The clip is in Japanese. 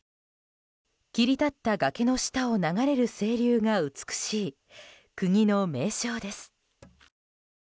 切り立った崖の下を流れる清流が美しい国の名勝です。